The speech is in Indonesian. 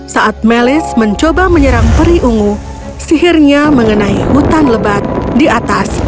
saat meles mencoba menyerang periungu sihirnya mengenai hutan lebat di atas